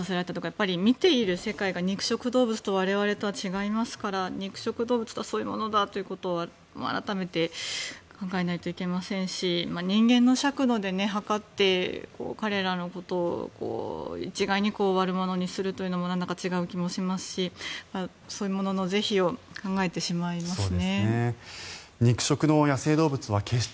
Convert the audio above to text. やっぱり見ている世界が肉食動物と我々とは違いますから肉食動物はそういうものだと改めて考えないといけませんし人間の尺度で測って彼らのことを一概に悪者にするというのもなんだか違う気もしますしそういうものの是非を考えてしまいますね。